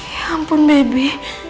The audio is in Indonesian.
ya ampun baby